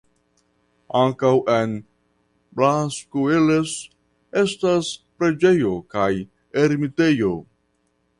Ankaŭ en Blascoeles estas preĝejo kaj ermitejo.